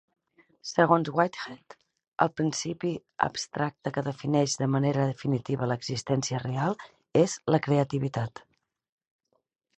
Segons Whitehead, el principi abstracte que defineix de manera definitiva l'existència real és la creativitat.